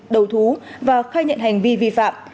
đầu thú và khai nhận hành vi vi phạm